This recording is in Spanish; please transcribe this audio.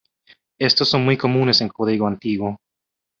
Estos son muy comunes en código antiguo.